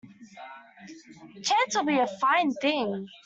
Chance would be a fine thing!